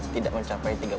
ringan sampai jadi mas